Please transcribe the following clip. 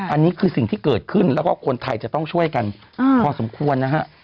อันนี้คือสิ่งที่เกิดขึ้นแล้วก็คนไทยจะต้องช่วยกันพอสมควรนะฮะ